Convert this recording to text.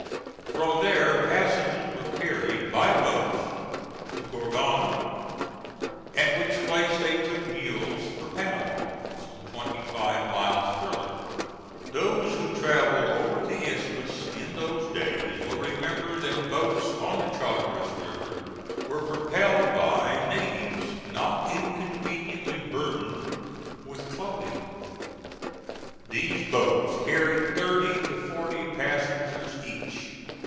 From there passengers were carried by boats to Gorgona, at which place they took mules for Panama, some twenty five miles further. Those who travelled over the Isthmus in those days will remember that boats on the Chagres River were propelled by natives not inconveniently burdened with clothing. These boats carried thirty to forty passengers each.